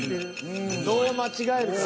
どう間違えるか。